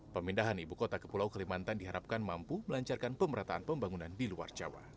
pemindahan ibu kota ke pulau kalimantan diharapkan mampu melancarkan pemerataan pembangunan di luar jawa